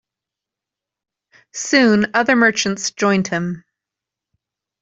Soon other merchants joined him.